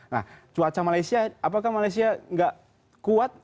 nah cuaca malaysia apakah malaysia nggak kuat